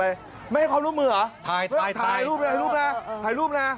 ไม่ให้เขารู้มือเหรอถ่ายรูปนะถ่ายรูปนะ